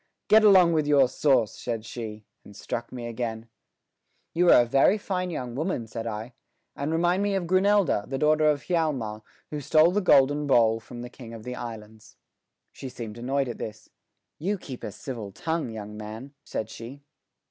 "Get along with your sauce!" said she, and struck me again. "You are a very fine young woman," said I, "and remind me of Grunelda, the daughter of Hjalmar, who stole the golden bowl from the King of the Islands." She seemed annoyed at this. "You keep a civil tongue, young man," said she.